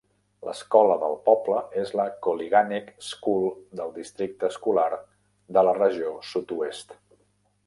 L'escola del poble és la Koliganek School del Districte Escolar de la Regió Sudoest.